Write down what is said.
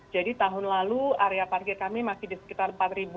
jadi tahun lalu area parkir kami masih di sekitar empat dua ratus